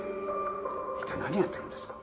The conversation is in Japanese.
一体何やってるんですか？